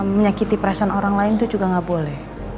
menyakiti perasaan orang lain itu juga nggak boleh